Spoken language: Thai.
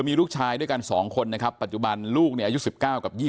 มีลูกชายด้วยกัน๒คนนะครับปัจจุบันลูกเนี่ยอายุ๑๙กับ๒๐